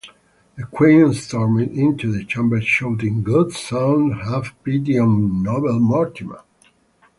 The queen stormed into the chamber shouting "Good son, have pity on noble Mortimer".